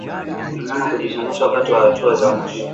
Mnyama kujizungusha wakati wa hatua za mwisho